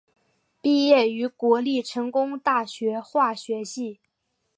毕业于国立成功大学化学系。